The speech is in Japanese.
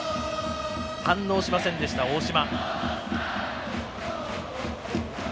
反応しませんでした、大島。